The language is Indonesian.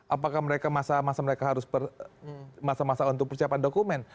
apakah mereka masa mereka harus masa masa untuk persiapan dokumen